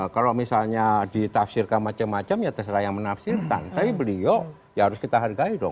kalau misalnya ditafsirkan macam macam ya terserah yang menafsirkan tapi beliau ya harus kita hargai dong